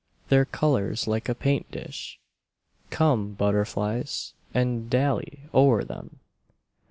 Their colors like a paint dish ! Come, butterflies, and dally o'er them